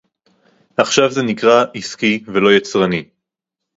עכשיו זה נקרא עסקי ולא יצרני